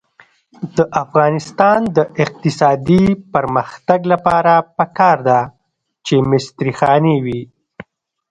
د افغانستان د اقتصادي پرمختګ لپاره پکار ده چې مستري خانې وي.